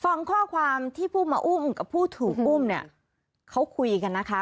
ฟังข้อความที่ผู้มาอุ้มกับผู้ถูกอุ้มเนี่ยเขาคุยกันนะคะ